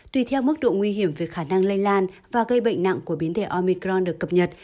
tùy theo mức độ nguy hiểm về khả năng lây lan và gây bệnh nặng của biến thể omicron được cập nhật